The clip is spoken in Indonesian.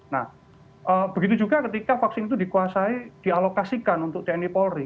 nah begitu juga ketika vaksin itu dikuasai dialokasikan untuk tni polri